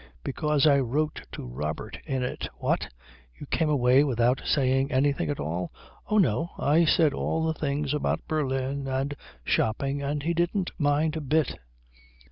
"Because I wrote to Robert in it." "What? You came away without saying anything at all?" "Oh, no. I said all the things about Berlin and shopping, and he didn't mind a bit."